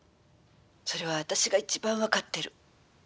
それは私が一番分かってる。